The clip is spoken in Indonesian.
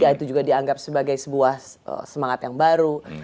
itu juga dianggap sebagai sebuah semangat yang baru